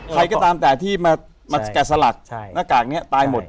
ใครก็ตามแต่ที่มาแกะสลักหน้ากากนี้ตายหมด